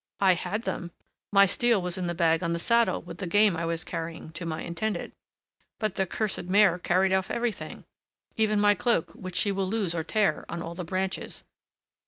"I had them. My steel was in the bag on the saddle with the game I was carrying to my intended; but the cursed mare carried off everything, even my cloak, which she will lose or tear on all the branches."